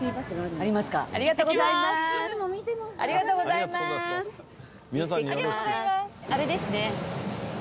あれですね。